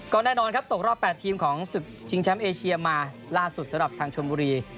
ก็แน่นอนครับตกรอบ๘ทีมของศึกชิงแชมป์เอเชียมาล่าสุดสำหรับทางชนบุรี